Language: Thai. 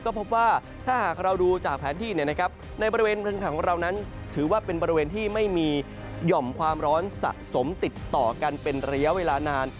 ก็พบว่าถ้าหากเราดูจากแผนธีในบริเวณบริเวณทะเลไม่มีย่อมความร้อนสะสมติดต่อกันเป็นเรียวเวลานาน